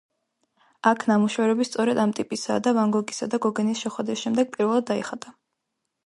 ეს ნამუშევრები სწორედ ამ ტიპისაა და ვან გოგისა და გოგენის შეხვედრის შემდეგ პირველად დაიხატა.